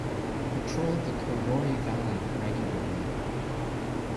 Patrol the Kodori Valley regularly.